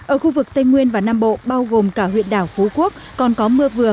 ở khu vực tây nguyên và nam bộ bao gồm cả huyện đảo phú quốc còn có mưa vừa